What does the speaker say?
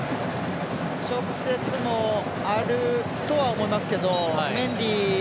直接もあるとは思いますけど。